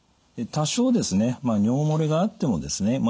多少ですね尿漏れがあってもですね